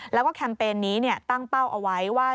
แล้วก็แคมเปญนี้ตั้งเป้าเอาไว้ว่า